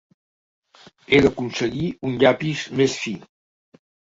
He d'aconseguir un llapis més fi.